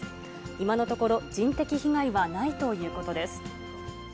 今のところ、人的被害などはないということです。